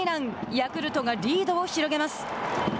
ヤクルトがリードを広げます。